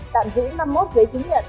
tạm giữ năm mươi một giấy chứng nhận